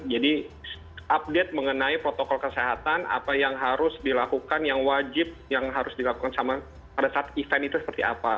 jadi update mengenai protokol kesehatan apa yang harus dilakukan yang wajib yang harus dilakukan pada saat event itu seperti apa